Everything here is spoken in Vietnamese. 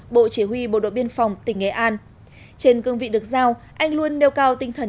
bộ chỉ huy bộ đội biên phòng tỉnh nghệ an trên cương vị được giao anh luôn nêu cao tinh thần